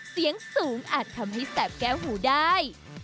เสียงสูงอาจทำให้แสบแก้วหูได้